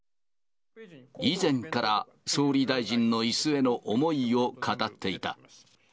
以前から総理大臣のいすへの思いを語っていた。